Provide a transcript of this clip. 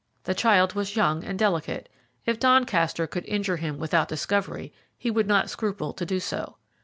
The child was young and delicate; if Doncaster could injure him without discovery, he would not scruple to do so.